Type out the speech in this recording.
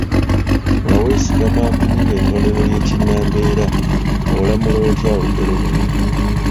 Nga weesigama ku nnyinyonnyolero y’ekinnambeera, olamula otya olugero luno?